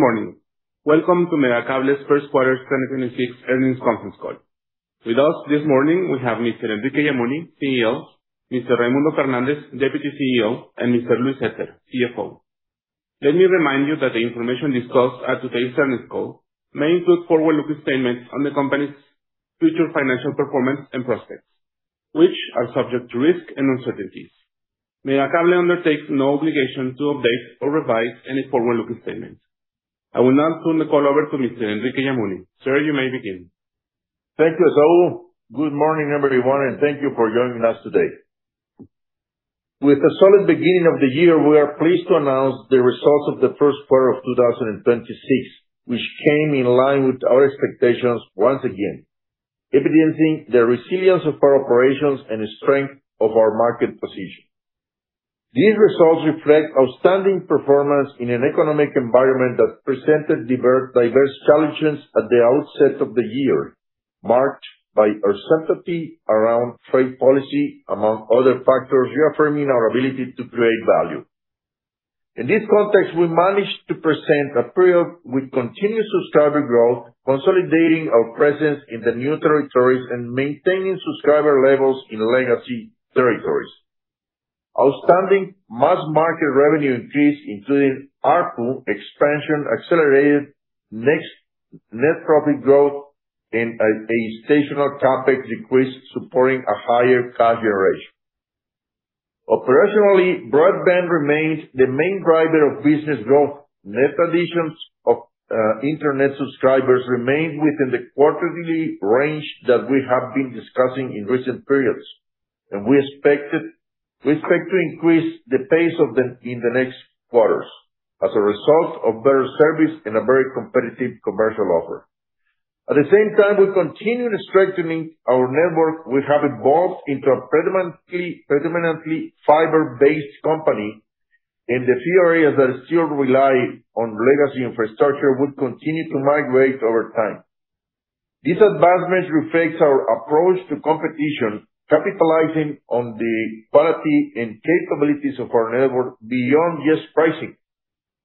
Good morning. Welcome to Megacable's first quarter 2026 earnings conference call. With us this morning, we have Mr. Enrique Yamuni, CEO, Mr. Raymundo Fernández, Deputy CEO, and Mr. Luis Zetter, CFO. Let me remind you that the information discussed at today's earnings call may include forward-looking statements on the company's future financial performance and prospects, which are subject to risks and uncertainties. Megacable undertakes no obligation to update or revise any forward-looking statements. I will now turn the call over to Mr. Enrique Yamuni. Sir, you may begin. Thank you Esaú. Good morning, everyone, and thank you for joining us today. With a solid beginning of the year, we are pleased to announce the results of the first quarter of 2026, which came in line with our expectations once again, evidencing the resilience of our operations and strength of our market position. These results reflect outstanding performance in an economic environment that presented diverse challenges at the outset of the year, marked by uncertainty around trade policy, among other factors, reaffirming our ability to create value. In this context, we managed to present a period with continued subscriber growth, consolidating our presence in the new territories, and maintaining subscriber levels in legacy territories. Outstanding mass-market revenue increase, including ARPU expansion, accelerated net profit growth, and a sensational CapEx request supporting a higher cash generation. Operationally, broadband remains the main driver of business growth. Net additions of internet subscribers remain within the quarterly range that we have been discussing in recent periods, and we expect to increase the pace of them in the next quarters as a result of better service and a very competitive commercial offer. At the same time, we're continuing strengthening our network. We have evolved into a predominantly fiber-based company, and the few areas that still rely on legacy infrastructure would continue to migrate over time. These advancements reflect our approach to competition, capitalizing on the quality and capabilities of our network beyond just pricing.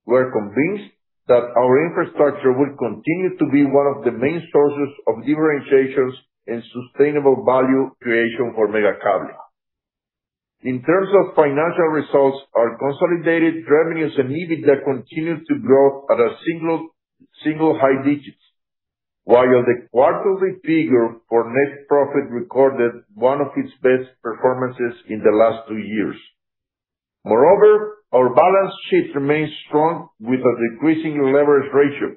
We're convinced that our infrastructure will continue to be one of the main sources of differentiations and sustainable value creation for Megacable. In terms of financial results, our consolidated revenues and EBITDA continued to grow at high single digits, while the quarterly figure for net profit recorded one of its best performances in the last two years. Moreover, our balance sheet remains strong with a decreasing leverage ratio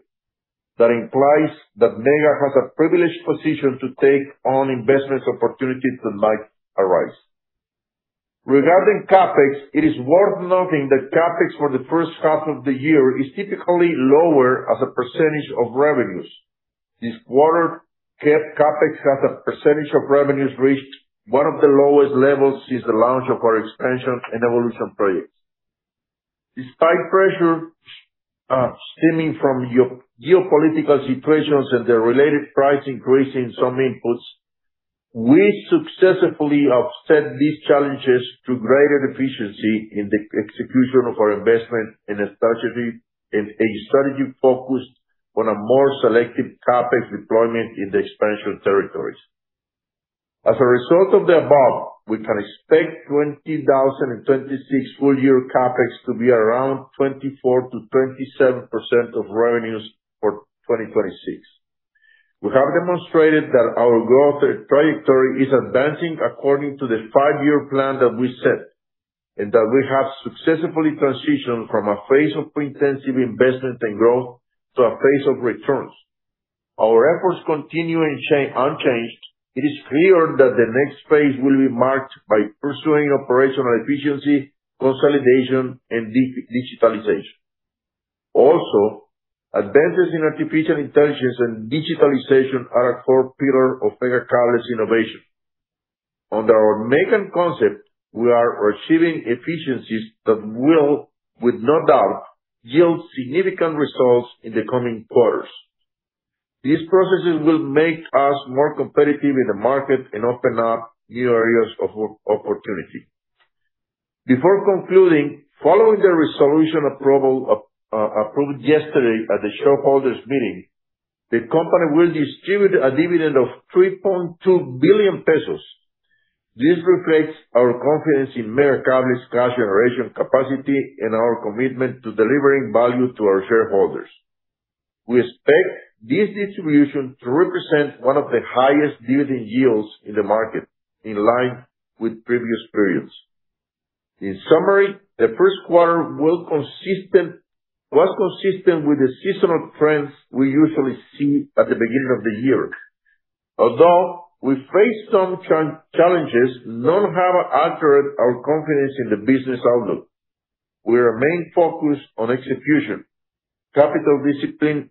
that implies that Megacable has a privileged position to take on investment opportunities that might arise. Regarding CapEx, it is worth noting that CapEx for the first half of the year is typically lower as a percentage of revenues. This quarter, CapEx as a percentage of revenues reached one of the lowest levels since the launch of our expansion and evolution projects. Despite pressure stemming from geopolitical situations and the related price increase in some inputs, we successfully offset these challenges through greater efficiency in the execution of our investment and a strategy focused on a more selective CapEx deployment in the expansion territories. As a result of the above, we can expect 2026 full year CapEx to be around 24%-27% of revenues for 2026. We have demonstrated that our growth trajectory is advancing according to the five-year plan that we set, and that we have successfully transitioned from a phase of intensive investment and growth to a phase of returns. Our efforts continue unchanged. It is clear that the next phase will be marked by pursuing operational efficiency, consolidation, and digitalization. Also, advances in artificial intelligence and digitalization are a core pillar of Megacable's innovation. Under our Megan concept, we are achieving efficiencies that will, with no doubt, yield significant results in the coming quarters. These processes will make us more competitive in the market and open up new areas of opportunity. Before concluding, following the resolution approved yesterday at the shareholders' meeting, the company will distribute a dividend of 3.2 billion pesos. This reflects our confidence in Megacable's cash generation capacity and our commitment to delivering value to our shareholders. We expect this distribution to represent one of the highest dividend yields in the market, in line with previous periods. In summary, the first quarter was consistent with the seasonal trends we usually see at the beginning of the year. Although we faced some challenges, none have altered our confidence in the business outlook. We remain focused on execution, capital discipline,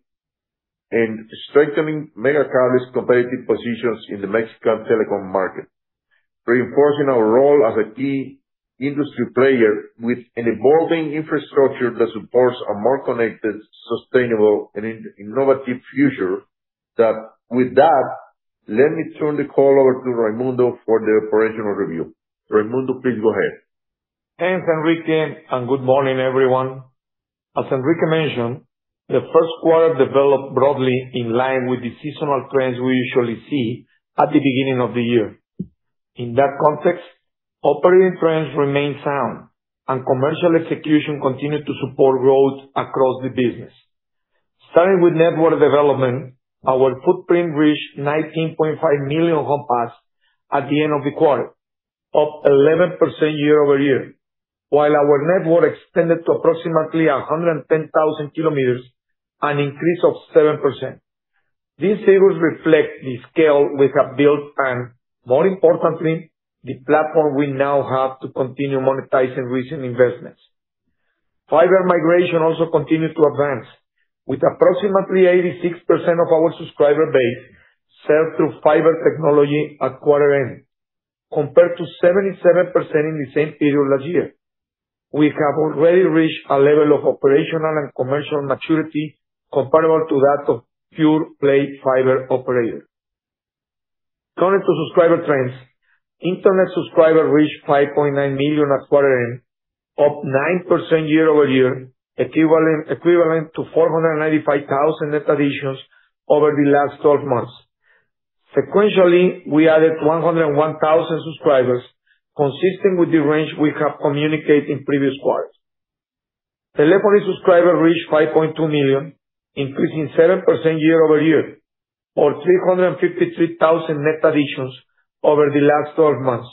and strengthening Megacable's competitive positions in the Mexican telecom market, reinforcing our role as a key industry player with an evolving infrastructure that supports a more connected, sustainable, and innovative future. With that, let me turn the call over to Raymundo for the operational review. Raymundo please go ahead. Thanks Enrique, and good morning, everyone. As Enrique mentioned, the first quarter developed broadly in line with the seasonal trends we usually see at the beginning of the year. In that context, operating trends remain sound and commercial execution continued to support growth across the business. Starting with network development, our footprint reached 19.5 million homes passed at the end of the quarter, up 11% year-over-year. While our network extended to approximately 110,000 km, an increase of 7%. These figures reflect the scale we have built and more importantly, the platform we now have to continue monetizing recent investments. Fiber migration also continued to advance, with approximately 86% of our subscriber base served through fiber technology at quarter end, compared to 77% in the same period last year. We have already reached a level of operational and commercial maturity comparable to that of pure-play fiber operators. Turning to subscriber trends, internet subscribers reached 5.9 million at quarter end, up 9% year-over-year, equivalent to 495,000 net additions over the last 12 months. Sequentially, we added 101,000 subscribers, consistent with the range we have communicated in previous quarters. Telephone subscribers reached 5.2 million, increasing 7% year-over-year, or 353,000 net additions over the last 12 months.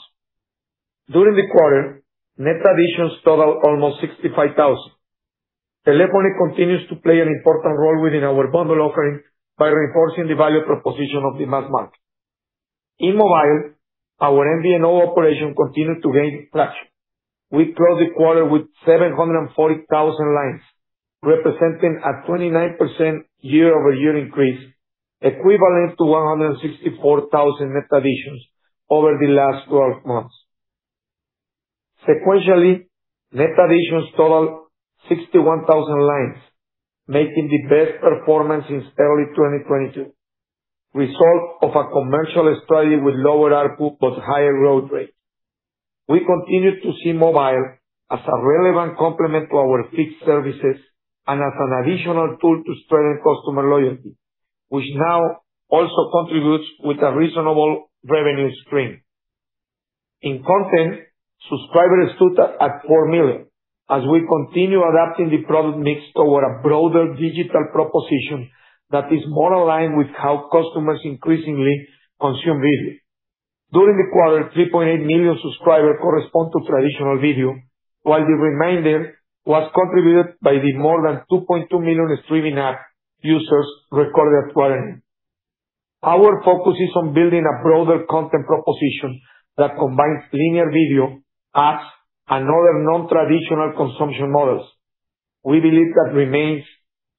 During the quarter, net additions totaled almost 65,000. Telephony continues to play an important role within our bundle offering by reinforcing the value proposition of the mass market. In mobile, our MVNO operation continued to gain traction. We closed the quarter with 740,000 lines, representing a 29% year-over-year increase, equivalent to 164,000 net additions over the last 12 months. Sequentially, net additions totaled 61,000 lines, making the best performance since early 2022 result of a commercial strategy with lower ARPU but higher growth rate. We continue to see mobile as a relevant complement to our fixed services and as an additional tool to strengthen customer loyalty, which now also contributes with a reasonable revenue stream. In content, subscribers stood at 4 million, as we continue adapting the product mix toward a broader digital proposition that is more aligned with how customers increasingly consume video. During the quarter, 3.8 million subscribers correspond to traditional video, while the remainder was contributed by the more than 2.2 million streaming app users recorded at quarter end. Our focus is on building a broader content proposition that combines linear video, apps, and other non-traditional consumption models. We believe that remains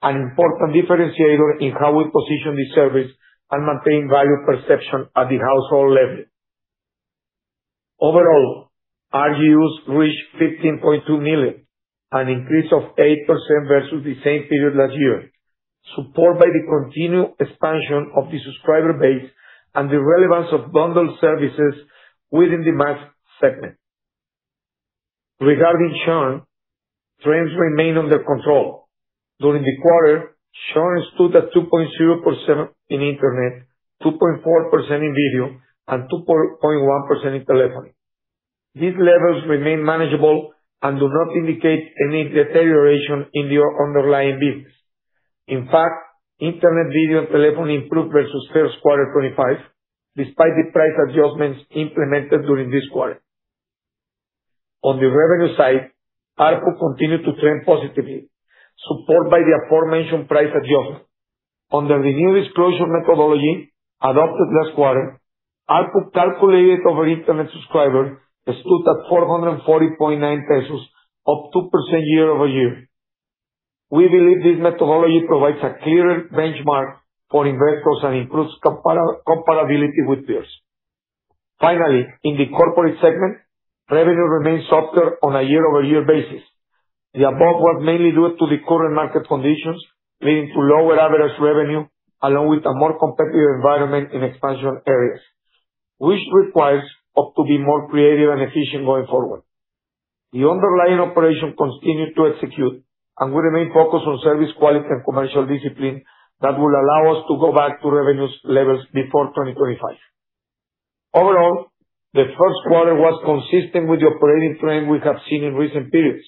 an important differentiator in how we position the service and maintain value perception at the household level. Overall, RGUs reached 15.2 million, an increase of 8% versus the same period last year, supported by the continued expansion of the subscriber base and the relevance of bundled services within the mass segment. Regarding churn, trends remain under control. During the quarter, churn stood at 2.0% in internet, 2.4% in video, and 2.1% in telephony. These levels remain manageable and do not indicate any deterioration in the underlying business. In fact, internet video and telephony improved versus first quarter 2025, despite the price adjustments implemented during this quarter. On the revenue side, ARPU continued to trend positively, supported by the aforementioned price adjustment. Under the new disclosure methodology adopted last quarter, ARPU calculated over internet subscribers stood at MXN 440.9, up 2% year-over-year. We believe this methodology provides a clearer benchmark for investors and improves comparability with peers. Finally, in the corporate segment, revenue remains softer on a year-over-year basis. The above was mainly due to the current market conditions, leading to lower average revenue, along with a more competitive environment in expansion areas, which requires us to be more creative and efficient going forward. The underlying operation continued to execute, and we remain focused on service quality and commercial discipline that will allow us to go back to revenues levels before 2025. Overall, the first quarter was consistent with the operating trend we have seen in recent periods.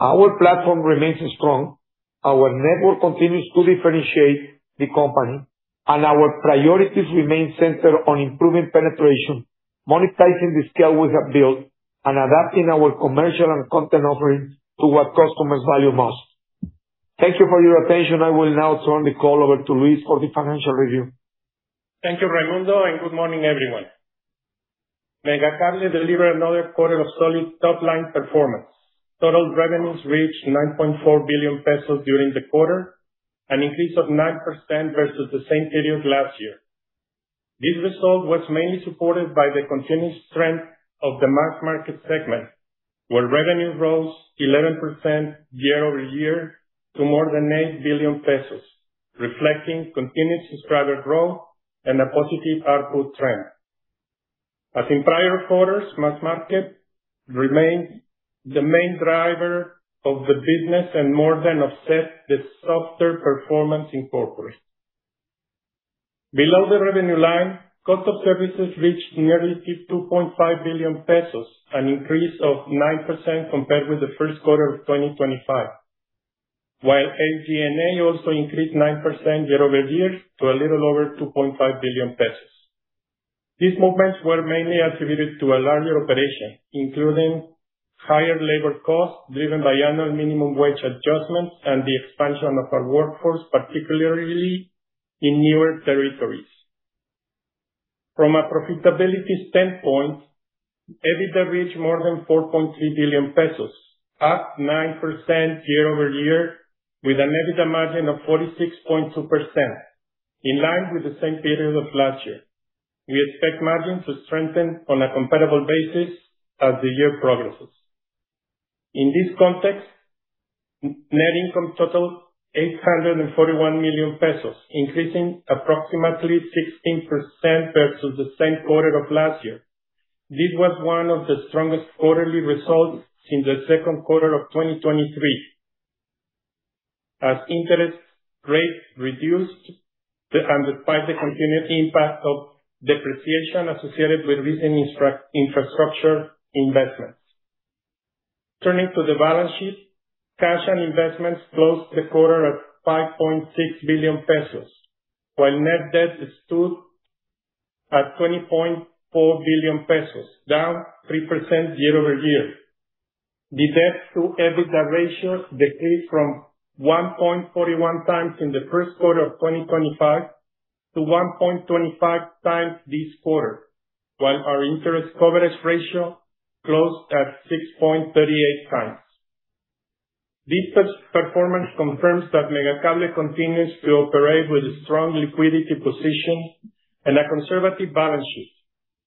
Our platform remains strong, our network continues to differentiate the company, and our priorities remain centered on improving penetration, monetizing the scale we have built, and adapting our commercial and content offering to what customers value most. Thank you for your attention. I will now turn the call over to Luis for the financial review. Thank you Raymundo, and good morning everyone. Megacable delivered another quarter of solid top-line performance. Total revenues reached 9.4 billion pesos during the quarter, an increase of 9% versus the same period last year. This result was mainly supported by the continued strength of the Mass Market segment, where revenue rose 11% year-over-year to more than 8 billion pesos, reflecting continued subscriber growth and a positive output trend. Mass Market remains the main driver of the business and more than offset the softer performance in Corporate. Below the revenue line, cost of services reached nearly 5.25 billion pesos, an increase of 9% compared with the first quarter of 2024. SG&A also increased 9% year-over-year to a little over 2.5 billion pesos. These movements were mainly attributed to a larger operation, including higher labor costs, driven by annual minimum wage adjustments and the expansion of our workforce, particularly in newer territories. From a profitability standpoint, EBITDA reached more than 4.3 billion pesos, up 9% year-over-year, with an EBITDA margin of 46.2%, in line with the same period of last year. We expect margins to strengthen on a comparable basis as the year progresses. In this context, net income totaled 841 million pesos, increasing approximately 16% versus the same quarter of last year. This was one of the strongest quarterly results since the second quarter of 2023, as interest rates reduced, and despite the continued impact of depreciation associated with recent infrastructure investments. Turning to the balance sheet, cash and investments closed the quarter at 5.6 billion pesos, while net debt stood at 20.4 billion pesos, down 3% year-over-year. The debt to EBITDA ratio decreased from 1.41x in the first quarter of 2025 to 1.25 times this quarter, while our interest coverage ratio closed at 6.38x. This performance confirms that Megacable continues to operate with a strong liquidity position and a conservative balance sheet.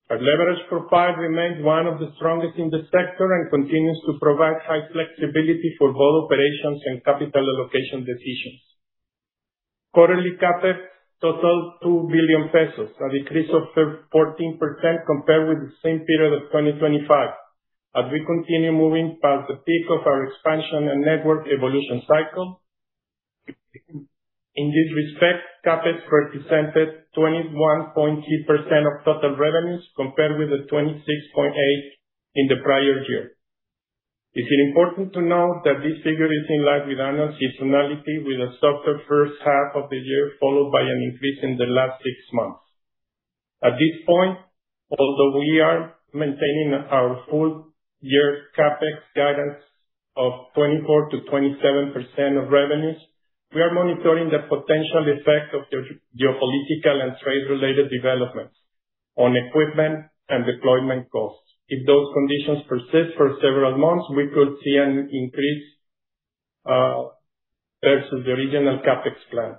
Our leverage profile remains one of the strongest in the sector and continues to provide high flexibility for both operations and capital allocation decisions. Quarterly CapEx totaled 2 billion pesos, a decrease of 14% compared with the same period of 2025, as we continue moving past the peak of our expansion and network evolution cycle. In this respect, CapEx represented 21.3% of total revenues, compared with the 26.8% in the prior year. It is important to note that this figure is in line with annual seasonality, with a softer first half of the year, followed by an increase in the last six months. At this point, although we are maintaining our full year CapEx guidance of 24%-27% of revenues, we are monitoring the potential effect of geopolitical and trade-related developments on equipment and deployment costs. If those conditions persist for several months, we could see an increase versus the original CapEx plan.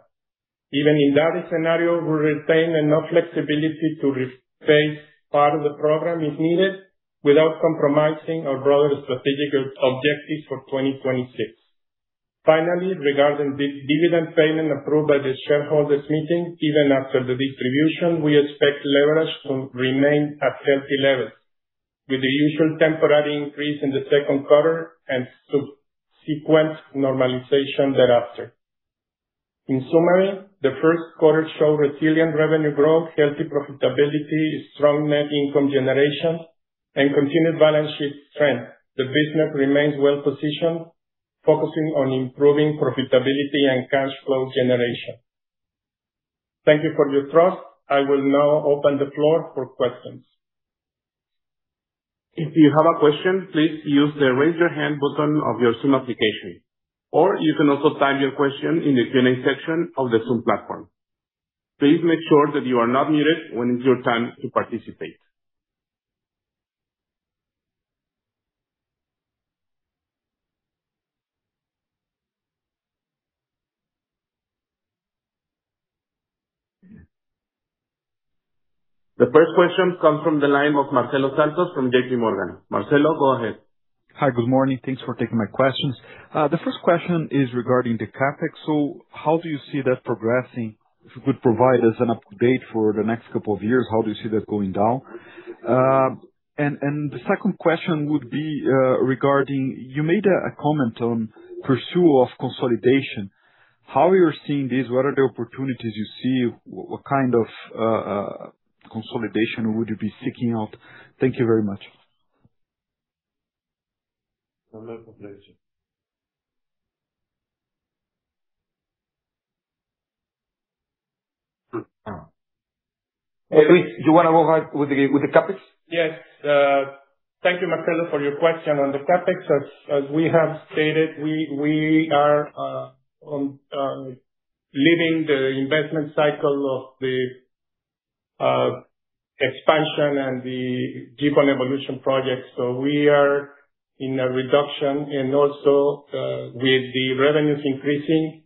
Even in that scenario, we retain enough flexibility to rephase part of the program if needed without compromising our broader strategic objectives for 2026. Finally, regarding dividend payment approved by the shareholders meeting, even after the distribution, we expect leverage to remain at healthy levels, with the usual temporary increase in the second quarter and subsequent normalization thereafter. In summary, the first quarter showed resilient revenue growth, healthy profitability, strong net income generation, and continued balance sheet strength. The business remains well-positioned, focusing on improving profitability and cash flow generation. Thank you for your trust. I will now open the floor for questions. If you have a question, please use the Raise your Hand button of your Zoom application. Or you can also type your question in the Q&A section of the Zoom platform. Please make sure that you are not muted when it is your time to participate. The first question comes from the line of Marcelo Santos from JPMorgan. Marcelo, go ahead. Hi. Good morning. Thanks for taking my questions. The first question is regarding the CapEx. How do you see that progressing? If you could provide us an update for the next couple of years, how do you see that going down? The second question would be regarding that you made a comment on the pursuit of consolidation. How are you seeing this? What are the opportunities you see? What kind of consolidation would you be seeking out? Thank you very much. Hello. Pleasure. Luis, do you wanna go ahead with the CapEx? Yes. Thank you Marcelo for your question on the CapEx. As we have stated, we are now leaving the investment cycle of the expansion and the GPON evolution projects. We are in a reduction and also with the revenues increasing,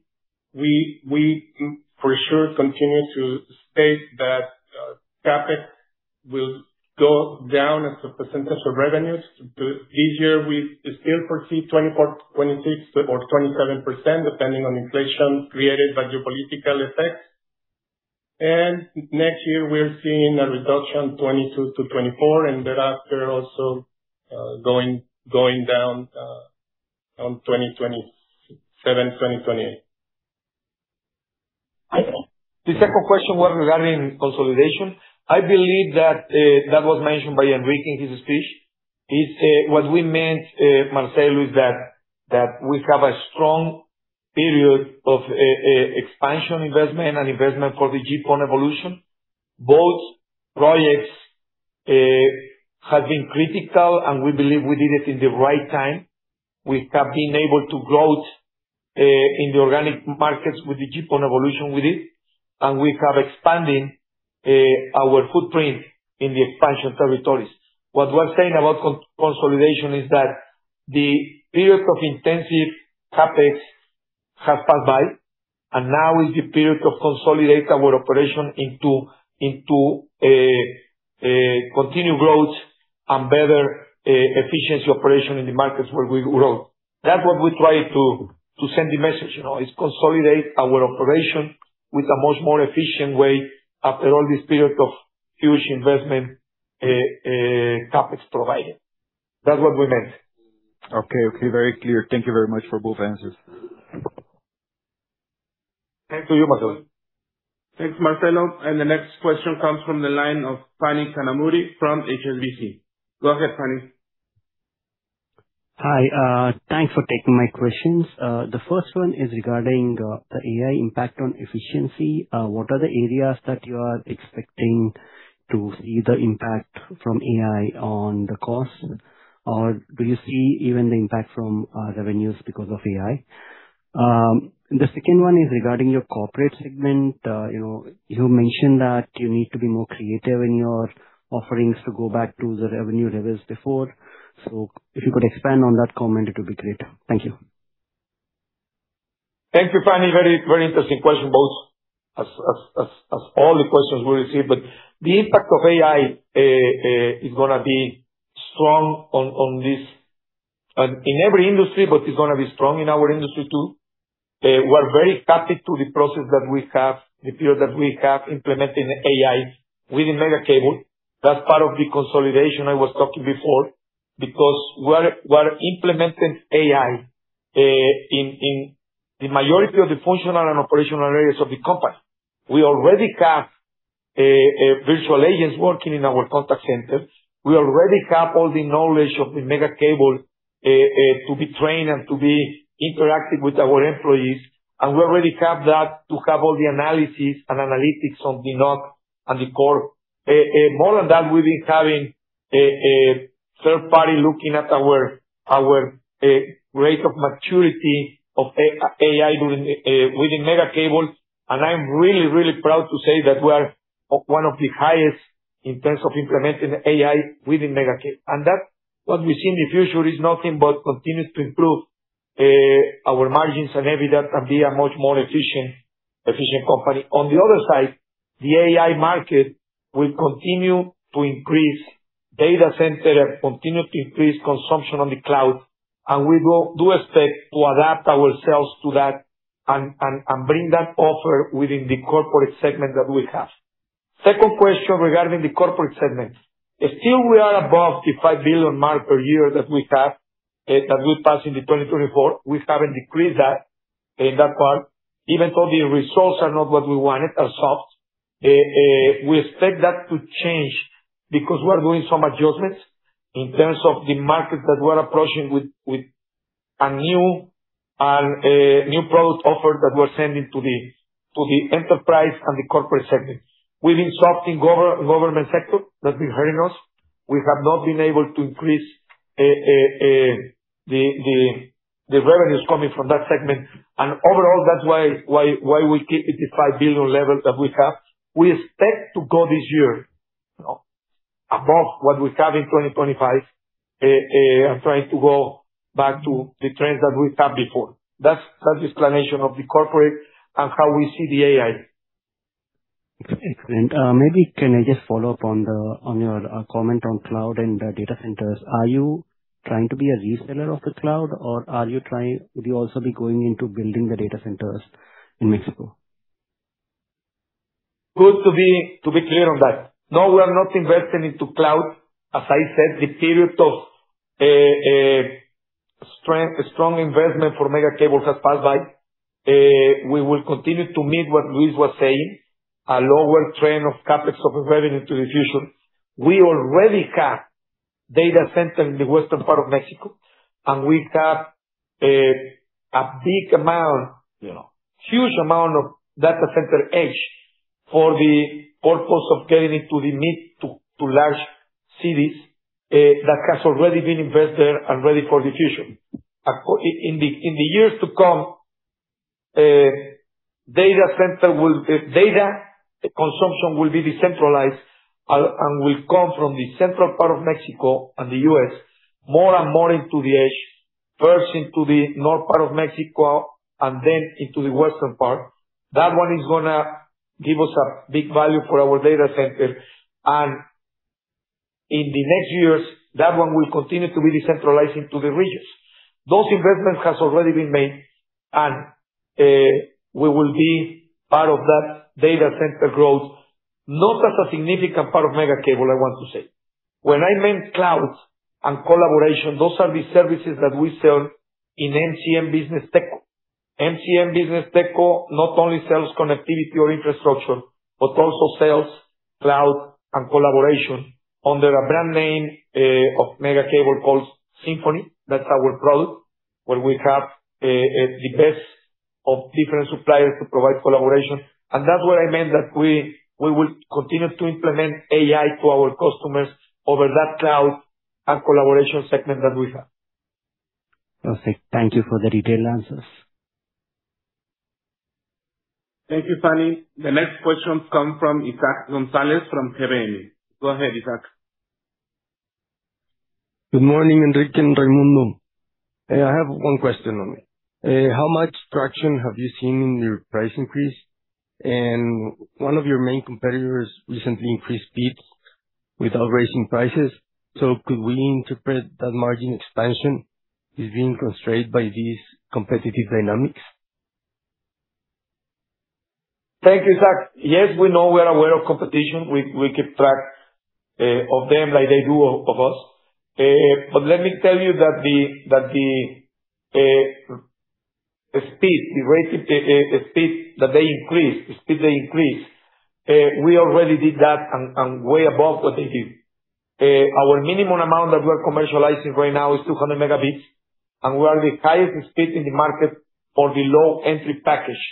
we for sure continue to state tha CapEx will go down as a percentage of revenues. This year, we still foresee 24%, 26%, or 27%, depending on inflation created by geopolitical effects. Next year, we're seeing a reduction, 22%-24%, and thereafter also going down on 2027, 2028. The second question was regarding consolidation. I believe that was mentioned by Enrique in his speech. What we meant, Marcelo, is that we have a strong period of expansion investment and investment for the GPON evolution. Both projects have been critical, and we believe we did it in the right time. We have been able to grow in the organic markets with the GPON evolution with it, and we have expanded our footprint in the expansion territories. What we're saying about consolidation is that the period of intensive CapEx has passed by, and now is the period to consolidate our operation into continued growth and better efficiency operation in the markets where we grew. That's what we try to send the message, is consolidate our operation with a much more efficient way after all this period of huge investment, CapEx provided. That's what we meant. Okay. Very clear. Thank you very much for both answers. Thank you, Marcelo. Thanks, Marcelo. The next question comes from the line of Phani Kanumuri from HSBC. Go ahead, Phani. Hi. Thanks for taking my questions. The first one is regarding the AI impact on efficiency. What are the areas that you are expecting to see the impact from AI on the cost? Or do you see even the impact from revenues because of AI? The second one is regarding your corporate segment. You mentioned that you need to be more creative in your offerings to go back to the revenue levels before. If you could expand on that comment it would be great. Thank you. Thank you Phani. Very interesting question, as all the questions we receive. The impact of AI is going to be strong in every industry, but it's going to be strong in our industry too. We're very happy with the process that we have, the progress that we have implementing AI within Megacable. That's part of the consolidation I was talking about before, because we're implementing AI in the majority of the functional and operational areas of the company. We already have virtual agents working in our contact center. We already have all the knowledge of Megacable to be trained and to be interactive with our employees. We already have that to have all the analysis and analytics on the node and the core. More than that, we've been having a third party looking at our rate of maturity of AI within Megacable, and I'm really proud to say that we're one of the highest in terms of implementing AI within Megacable. That's what we see in the future is nothing but continued improvement to our margins and EBITDA, we can be a much more efficient company. On the other side, the AI market will continue to increase data centers, continue to increase consumption on the cloud, and we will take a step to adapt ourselves to that and bring that offer within the corporate segment that we have. Second question regarding the corporate segment. Still we are above the 5 billion mark per year that we passed in 2024. We haven't decreased that in that part, even though the results are not what we wanted, are soft. We expect that to change because we are doing some adjustments in terms of the market that we're approaching with a new product offer that we're sending to the enterprise and the corporate segment. We've been soft in government sector, that's been hurting us. We have not been able to increase the revenues coming from that segment. Overall, that's why we keep it the 5 billion level that we have. We expect to go this year above what we have in 2025, and trying to go back to the trends that we had before. That's the explanation of the corporate and how we see the AI. Excellent. Maybe can I just follow up on your comment on cloud and data centers. Are you trying to be a reseller of the cloud, or would you also be going into building the data centers in Mexico? Good to be clear on that. No, we are not investing into cloud. As I said, the period of strong investment for Megacable has passed by. We will continue to meet what Luis was saying, a lower trend of CapEx of revenue to the future. We already have data center in the western part of Mexico, and we have a big amount, huge amount of data center edge for the purpose of getting into the mid to large cities that has already been invested and ready for the future. In the years to come, data consumption will be decentralized and will come from the central part of Mexico and the U.S. more and more into the edge. First into the north part of Mexico, and then into the western part. That one is going to give us a big value for our data center, and in the next years, that one will continue to be decentralizing to the regions. Those investments has already been made, and we will be part of that data center growth, not as a significant part of Megacable, I want to say. When I meant clouds and collaboration, those are the services that we sell in MCM Business Tech-Co. MCM Business Tech-Co not only sells connectivity or infrastructure, but also sells cloud and collaboration under a brand name of Megacable called Symphony. That's our product, where we have the best of different suppliers to provide collaboration. That's what I meant that we will continue to implement AI to our customers over that cloud and collaboration segment that we have. Perfect. Thank you for the detailed answers. Thank you, Phani. The next question comes from Isaac Gonzalez from GBM. Go ahead, Isaac. Good morning Enrique and Raymundo. I have one question only. How much traction have you seen in your price increase? One of your main competitors recently increased speeds without raising prices, so could we interpret that margin expansion is being constrained by these competitive dynamics? Thank you, Isaac. Yes, we know. We are aware of competition. We keep track of them like they do of us. But let me tell you that the speed that they increased, we already did that and way above what they did. Our minimum amount that we're commercializing right now is 200 Mbps, and we are the highest speed in the market for the low entry package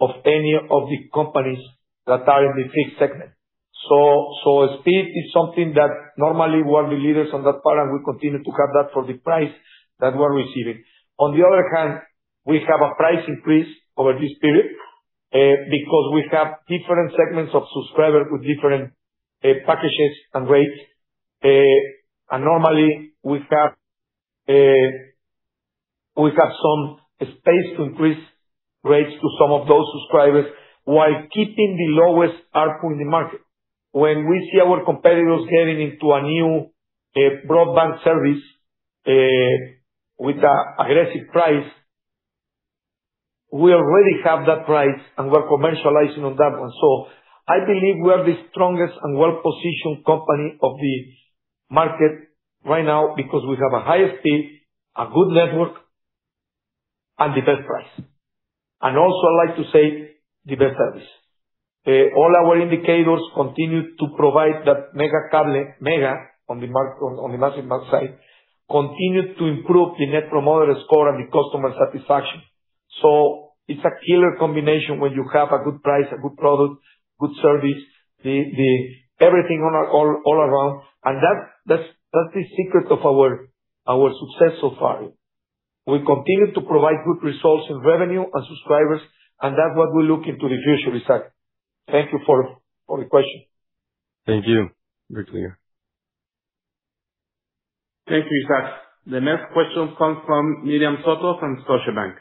of any of the companies that are in the fixed segment. So speed is something that normally we are the leaders on that part, and we continue to have that for the price that we're receiving. On the other hand, we have a price increase over this period, because we have different segments of subscribers with different packages and rates. Normally, we have some space to increase rates to some of those subscribers while keeping the lowest ARPU in the market. When we see our competitors getting into a new broadband service, with an aggressive price, we already have that price, and we're commercializing on that one. I believe we are the strongest and well-positioned company of the market right now because we have a higher speed, a good network, and the best price. I'd like to say, the best service. All our indicators continue to provide that Megacable Megan on the mass market side, continue to improve the Net Promoter Score and the customer satisfaction. It's a killer combination when you have a good price, a good product, good service, everything all around. That's the secret of our success so far. We continue to provide good results in revenue and subscribers, and that's what we look into the future, Isaac. Thank you for the question. Thank you. Very clear. Thank you, Isaac. The next question comes from Miriam Soto from Scotiabank.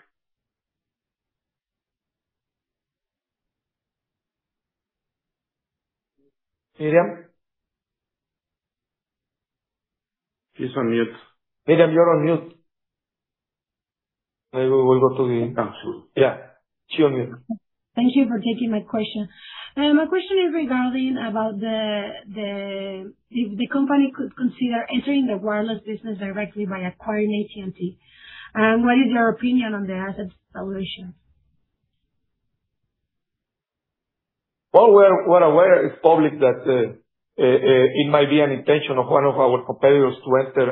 Miriam? She's on mute. Miriam, you're on mute. Maybe we go to the- I'm sure. Yeah. She's on mute. Thank you for taking my question. My question is regarding about if the company could consider entering the wireless business directly by acquiring AT&T, and what is your opinion on the assets valuation? Well, we're aware it's public that it might be an intention of one of our competitors to enter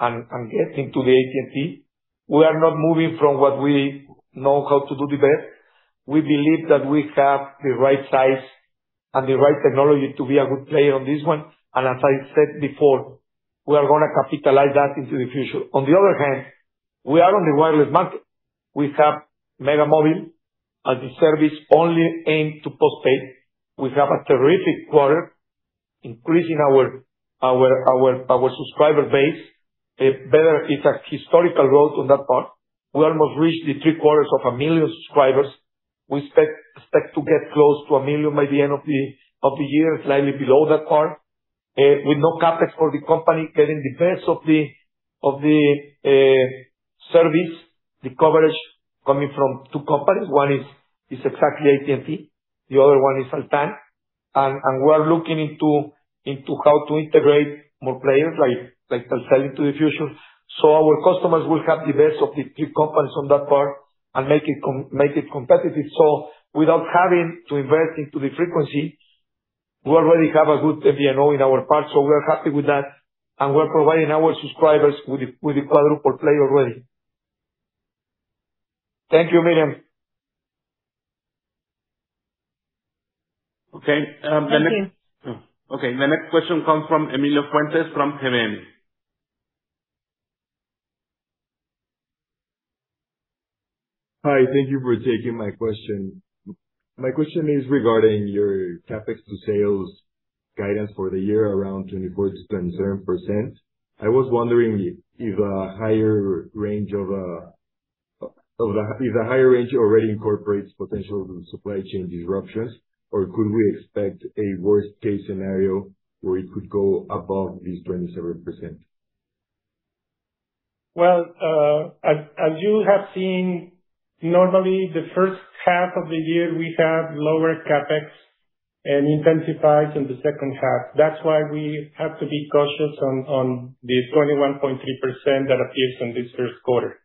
and get into the AT&T. We are not moving from what we know how to do the best. We believe that we have the right size and the right technology to be a good player on this one. As I said before, we are going to capitalize that into the future. On the other hand, we are on the wireless market. We have Mega Móvil as a service only aimed to post-pay. We have a terrific quarter increasing our subscriber base better. It's a historical growth on that part. We almost reached three-quarters of a million subscribers. We expect to get close to 1 million by the end of the year, slightly below that part. With no CapEx for the company getting the best of the service, the coverage coming from two companies. One is exactly AT&T, the other one is Altán. We're looking into how to integrate more players like Telcel into the future. Our customers will have the best of the three companies on that part and make it competitive. Without having to invest into the frequency, we already have a good EBITDA in our part, so we are happy with that, and we're providing our subscribers with the quadruple play already. Thank you, Miriam. Okay. Thank you. Okay. The next question comes from Emilio Fuentes from GBM. Hi, thank you for taking my question. My question is regarding your CapEx to sales guidance for the year around 24%-27%. I was wondering if the higher range already incorporates potential supply chain disruptions, or could we expect a worst-case scenario where it could go above this 27%? Well, as you have seen, normally the first half of the year, we have lower CapEx and intensifies in the second half. That's why we have to be cautious on the 21.3% that appears in this first quarter.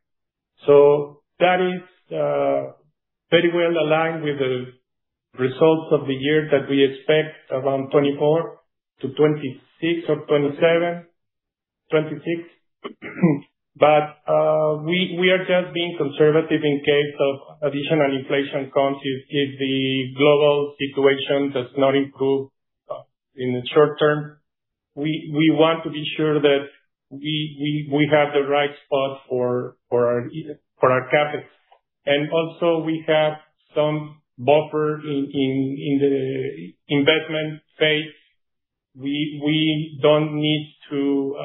That is very well aligned with the results of the year that we expect around 24%-26% or 27%. We are just being conservative in case of additional inflation comes if the global situation does not improve in the short term. We want to be sure that we have the right spot for our CapEx. Also we have some buffer in the investment phase. We don't need to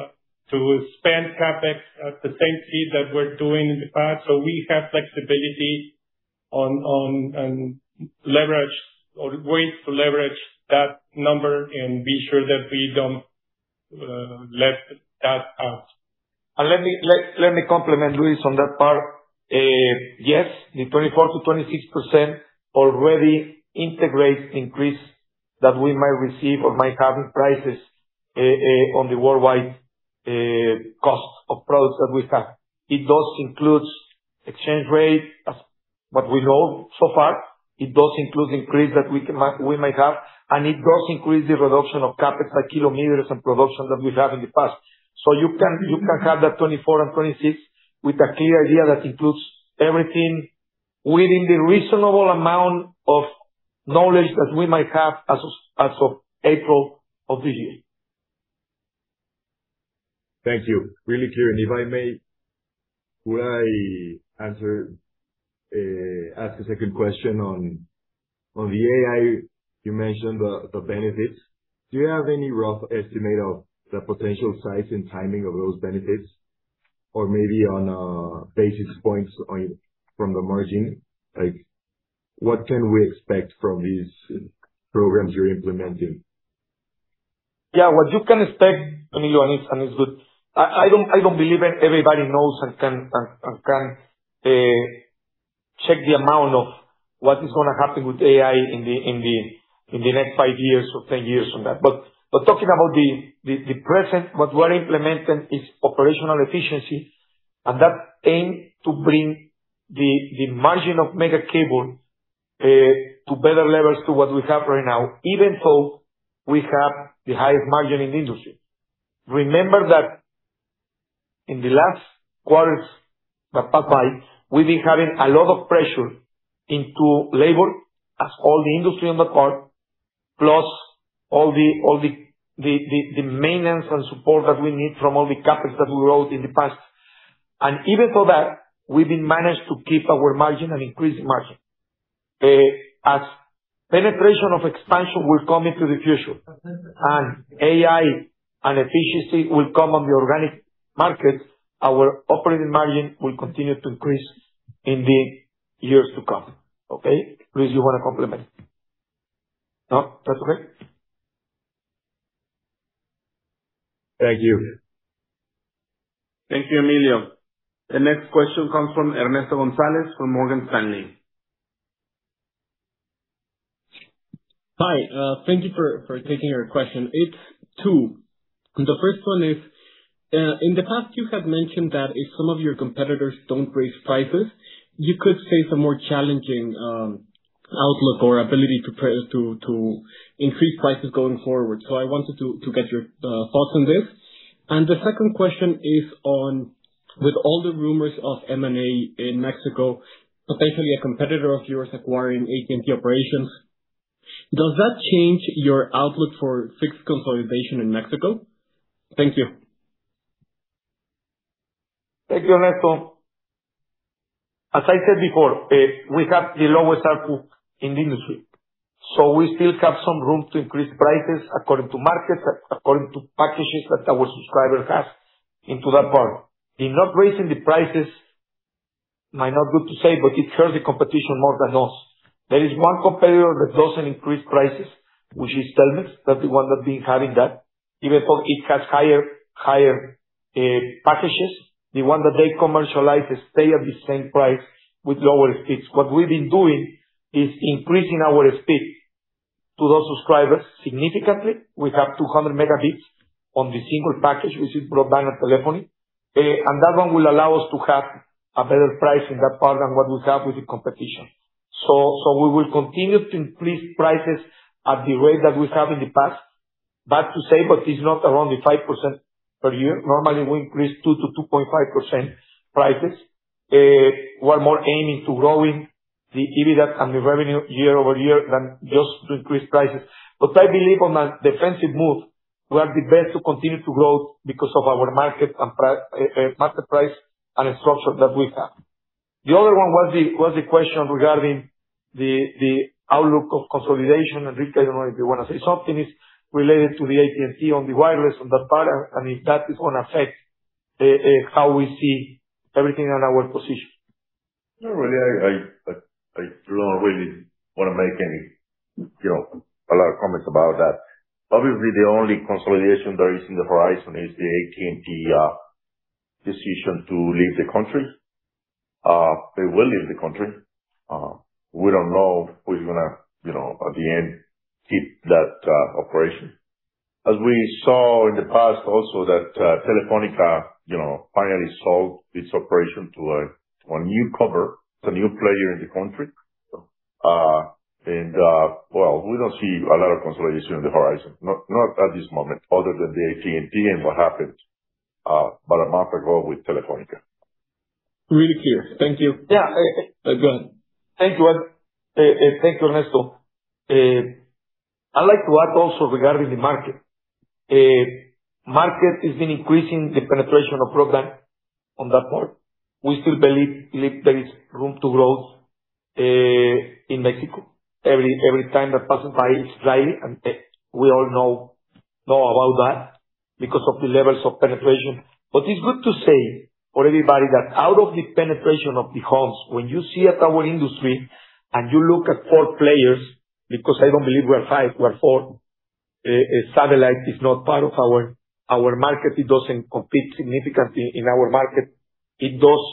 spend CapEx at the same speed that we're doing in the past. We have flexibility on leverage or ways to leverage that number and be sure that we don't let that out. Let me compliment Luis on that part. Yes, the 24%-26% already integrates increase that we might receive or might have in prices on the worldwide cost of products that we have. It does include exchange rate as what we know so far. It does include increase that we might have, and it does include the reduction of CapEx per kilometers and production that we have in the past. You can have that 24%-26% with the clear idea that includes everything within the reasonable amount of knowledge that we might have as of April of this year. Thank you. Really clear. If I may, could I ask a second question on the AI, you mentioned the benefits. Do you have any rough estimate of the potential size and timing of those benefits? Or maybe on, basis points on from the margin? Like what can we expect from these programs you're implementing? Yeah. What you can expect, Emilio, and it's good. I don't believe everybody knows and can check the amount of what is gonna happen with AI in the next 5 years or 10 years from that. Talking about the present, what we're implementing is operational efficiency, and that aim to bring the margin of Megacable to better levels to what we have right now, even though we have the highest margin in the industry. Remember that in the last quarters that passed by, we've been having a lot of pressure into labor as all the industry on the part, plus all the maintenance and support that we need from all the CapEx that we wrote in the past. Even for that, we've been managed to keep our margin and increase margin. As penetration and expansion will come in the future and AI and efficiency will come in the organic market, our operating margin will continue to increase in the years to come. Okay? Luis, you want to comment? No? That's okay. Thank you. Thank you, Emilio. The next question comes from Ernesto Gonzalez from Morgan Stanley. Hi. Thank you for taking our question. It's two. The first one is, in the past, you have mentioned that if some of your competitors don't raise prices, you could face a more challenging outlook or ability to increase prices going forward. I wanted to get your thoughts on this. The second question is on with all the rumors of M&A in Mexico, potentially a competitor of yours acquiring AT&T operations, does that change your outlook for fixed consolidation in Mexico? Thank you. Thank you Ernesto. As I said before, we have the lowest ARPU in the industry. We still have some room to increase prices according to market, according to packages that our subscriber has into that part. In not raising the prices, might not be good to say, but it hurts the competition more than us. There is one competitor that doesn't increase prices, which is Telmex. That's the one that's been having that, even though it has higher packages, the one that they commercialize stay at the same price with lower speeds. What we've been doing is increasing our speed to those subscribers significantly. We have 200 Mbps on the single package, which is broadband and telephony. That one will allow us to have a better price in that part than what we have with the competition. We will continue to increase prices at the rate that we have in the past. Sad to say, but it's not around the 5% per year. Normally, we increase 2%-2.5% prices. We're more aiming to grow the EBITDA and the revenue year-over-year than just to increase prices. I believe on a defensive move, we are the best to continue to grow because of our market price and the structure that we have. The other one was the question regarding the outlook of consolidation. Enrique, I don't know if you want to say something. It's related to the AT&T on the wireless on that part, and if that is going to affect how we see everything in our position. Not really. I don't really want to make a lot of comments about that. Obviously, the only consolidation there is in the horizon is the AT&T decision to leave the country. They will leave the country. We don't know who's going to, at the end, keep that operation. As we saw in the past also that Telefónica finally sold its operation to a newcomer, it's a new player in the country. Well, we don't see a lot of consolidation on the horizon, not at this moment, other than the AT&T and what happened about a month ago with Telefónica. Really clear. Thank you. Yeah. Go on. Thank you, Ernesto. I'd like to add also regarding the market. Market has been increasing the penetration of broadband on that part. We still believe there is room to growth in Mexico. Every time that passes by, it's slight, and we all know about that because of the levels of penetration. It's good to say for everybody that out of the penetration of the homes, when you see at our industry and you look at four players, because I don't believe we are five, we are four. Satellite is not part of our market. It doesn't compete significantly in our market. It does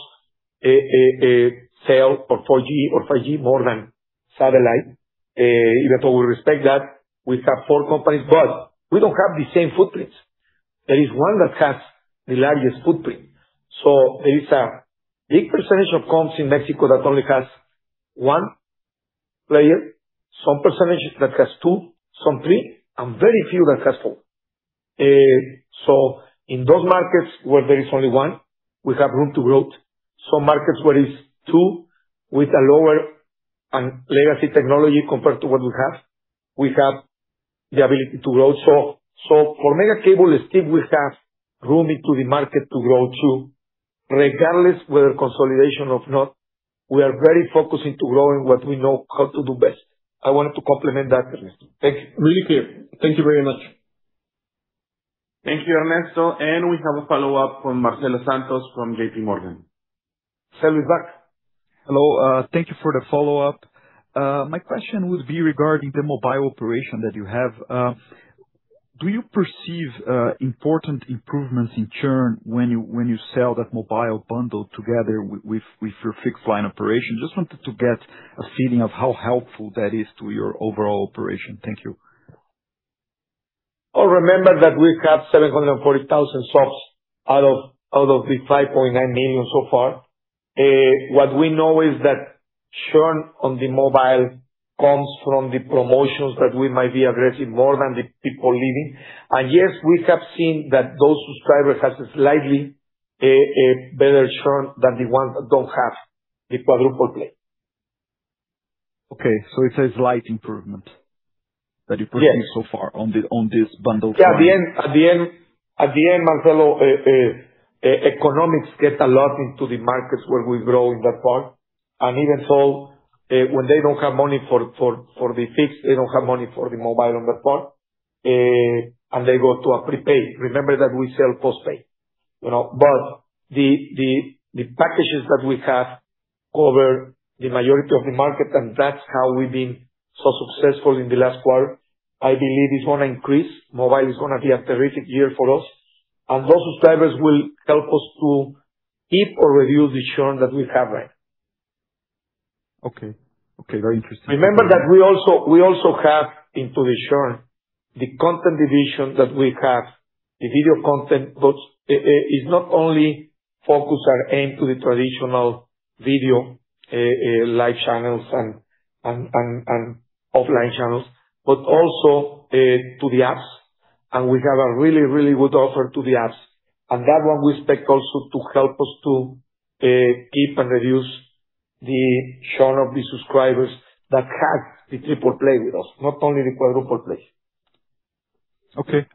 sell for 4G or 5G more than satellite. Even though we respect that, we have four companies, but we don't have the same footprints. There is one that has the largest footprint. There is a big percentage of homes in Mexico that only has one player, some percentage that has two, some three, and very few that has four. In those markets where there is only one, we have room to growth. Some markets where is two with a lower and legacy technology compared to what we have, we have the ability to grow. For Megacable, still we have room into the market to grow too. Regardless whether consolidation or not, we are very focusing to growing what we know how to do best. I wanted to complement that Ernesto. Thank you. Really clear. Thank you very much. Thank you Ernesto. We have a follow-up from Marcelo Santos from JPMorgan. Marcelo's back. Hello. Thank you for the follow-up. My question would be regarding the mobile operation that you have. Do you perceive important improvements in churn when you sell that mobile bundle together with your fixed line operation? Just wanted to get a feeling of how helpful that is to your overall operation. Thank you. Well, remember that we have 740,000 subscribers out of the 5.9 million so far. What we know is that churn on the mobile comes from the promotions that we might be aggressive more than the people leaving. Yes, we have seen that those subscribers have slightly a better churn than the ones that don't have the quadruple play. Okay. It's a slight improvement. Yes that you're putting so far on this bundle. Yeah. At the end Marcelo, economics gets a lot into the markets where we grow in that part. Even so, when they don't have money for the fixed, they don't have money for the mobile on that part, and they go to a prepaid. Remember that we sell postpaid. The packages that we have cover the majority of the market, and that's how we've been so successful in the last quarter. I believe it's going to increase. Mobile is going to be a terrific year for us, and those subscribers will help us to keep or reduce the churn that we have right now. Okay. Very interesting. Remember that we also have into the churn, the content division that we have, the video content, but it's not only focused and aimed to the traditional video live channels and offline channels, but also to the apps. We have a really good offer to the apps. That one we expect also to help us to keep and reduce the churn of the subscribers that have the triple play with us, not only the quadruple play. Okay.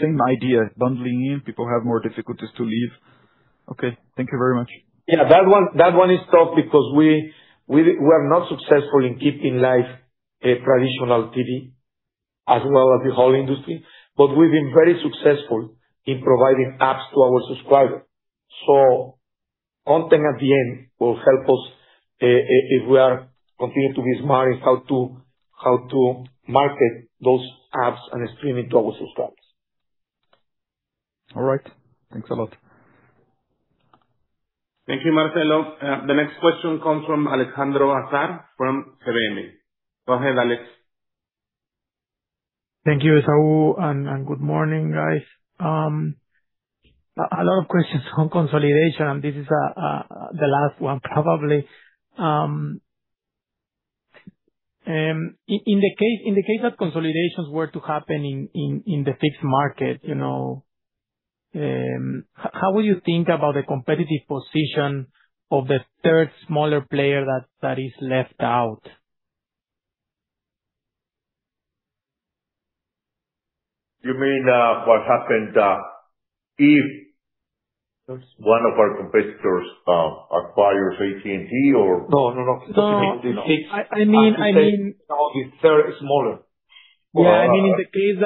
Same idea, bundling in, people have more difficulties to leave. Okay. Thank you very much. Yeah. That one is tough because we were not successful in keeping live traditional TV as well as the whole industry, but we've been very successful in providing apps to our subscribers. One thing at the end will help us, if we are to continue to be smart in how to market those apps and streaming to our subscribers. All right. Thanks a lot. Thank you, Marcelo. The next question comes from Alejandro Azar from GBM. Go ahead, Alex. Thank you Esaú, and good morning, guys. A lot of questions on consolidation, and this is the last one probably. In the case that consolidations were to happen in the fixed market, how will you think about the competitive position of the third smaller player that is left out? You mean what happens if one of our competitors acquires AT&T or? No. You mean if? I mean. Now the third is smaller. Yeah. I mean, in the case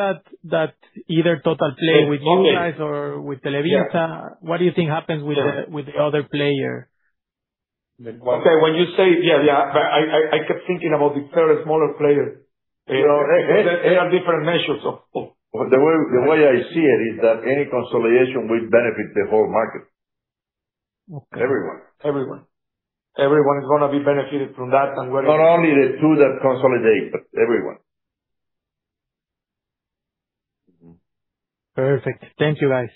that either Totalplay with you guys or with Televisa, what do you think happens with the other player? Okay. When you say, yeah. I kept thinking about the third smallest player. There are different measures of- The way I see it is that any consolidation will benefit the whole market. Okay. Everyone. Everyone is going to be benefited from that. Not only the two that consolidate, but everyone. Perfect. Thank you, guys.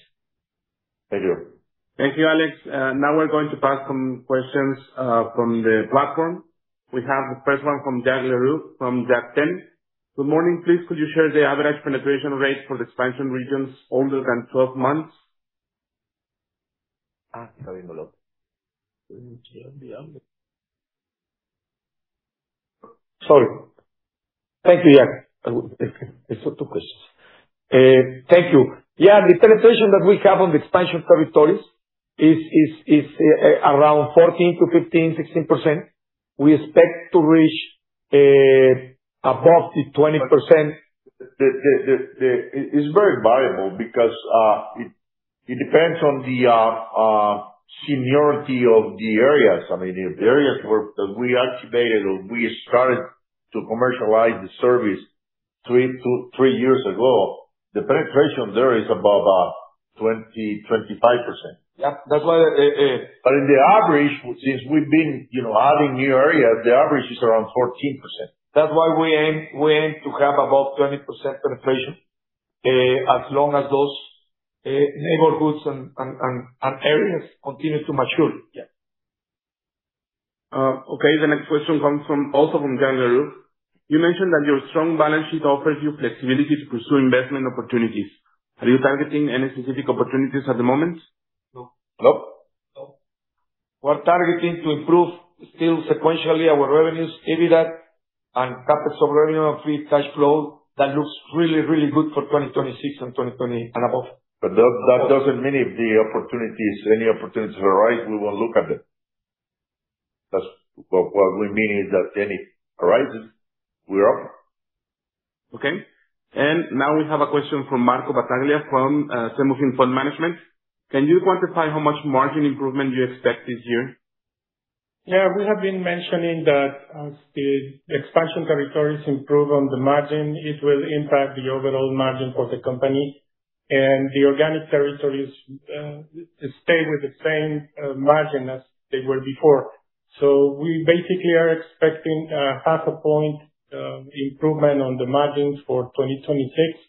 Thank you. Thank you, Alex. Now we're going to pass some questions from the platform. We have the first one from Jacques Leroux from RBM. Good morning. Please, could you share the average penetration rate for the expansion regions older than 12 months? Sorry. Thank you Jacques. It's two questions. Thank you. Yeah, the penetration that we have on the expansion territories is around 14%-16%. We expect to reach above the 20%. It's very variable because it depends on the seniority of the areas. I mean, the areas that we activated or we started to commercialize the service three years ago, the penetration there is above 20%-25%. Yeah. That's why. On average, since we've been adding new areas, the average is around 14%. That's why we aim to have above 20% penetration, as long as those neighborhoods and areas continue to mature. Yeah. Okay. The next question comes from, also from Jacques Leroux. You mentioned that your strong balance sheet offers you flexibility to pursue investment opportunities. Are you targeting any specific opportunities at the moment? No. No. No. We're targeting to improve still sequentially our revenues, EBITDA, and CapEx, revenue, free cash flow, that looks really, really good for 2026 and 2020 and above. That doesn't mean if any opportunities arise, we won't look at them. What we mean is that any arise we're up. Okay. Now we have a question from Marco Battaglia, from Temujin Fund Management. Can you quantify how much margin improvement you expect this year? Yeah. We have been mentioning that as the expansion territories improve on the margin, it will impact the overall margin for the company. The organic territories stay with the same margin as they were before. We basically are expecting a half a point improvement on the margins for 2026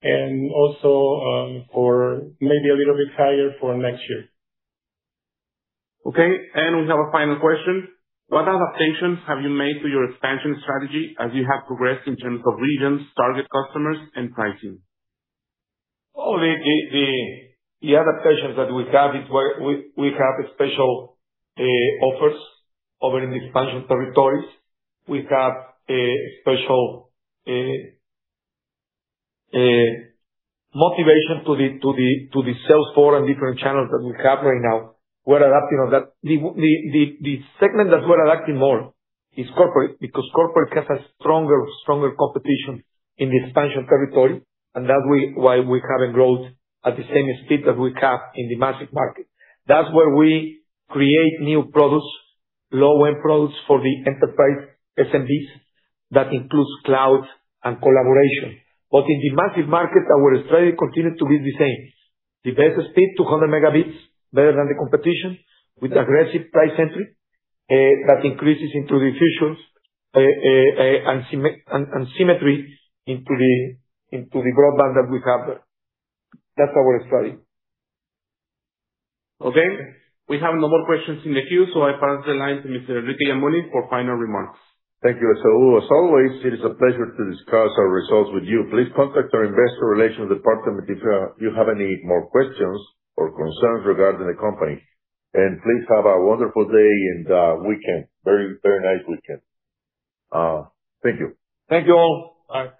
and also maybe a little bit higher for next year. Okay. We have a final question. What adaptations have you made to your expansion strategy as you have progressed in terms of regions, target customers, and pricing? Oh, the adaptations that we have is we have special offers over in the expansion territories. We have a special motivation for the sales force and different channels that we have right now. We're adapting on that. The segment that we're adapting more is corporate, because corporate has a stronger competition in the expansion territory, and that's why we haven't grown at the same speed that we have in the massive market. That's where we create new products, low-end products for the enterprise SMBs. That includes cloud and collaboration. In the massive market, our strategy continue to be the same. The best speed, 200 Mbps, better than the competition with aggressive price entry, that increases into the fusions and symmetry into the broadband that we have there. That's our strategy. Okay. We have no more questions in the queue, so I pass the line to Mr. Enrique Yamuni for final remarks. Thank you Esaú. As always, it is a pleasure to discuss our results with you. Please contact our investor relations department if you have any more questions or concerns regarding the company. Please have a wonderful day and weekend. Very nice weekend. Thank you. Thank you all.